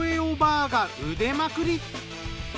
おばあが腕まくり。